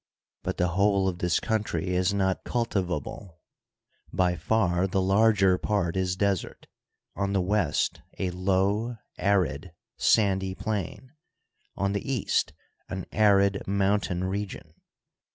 But the whole of this country is not cultivable ; by far the larger part is desert — on the west a low, arid, sandy plain ; on the east an arid mountain re gion.